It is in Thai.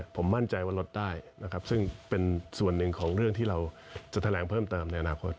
ผมมั่นใจว่าลดได้นะครับซึ่งเป็นส่วนหนึ่งของเรื่องที่เราจะแถลงเพิ่มเติมในอนาคต